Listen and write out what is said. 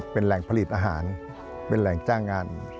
เป็นแหล่งผลิตอาหารเป็นแหล่งจ้างงาน